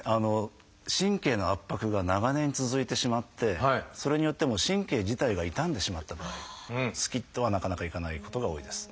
神経の圧迫が長年続いてしまってそれによってもう神経自体が傷んでしまった場合スキッとはなかなかいかないことが多いです。